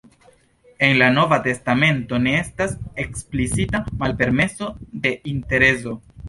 En la nova testamento ne estas eksplicita malpermeso de interezo.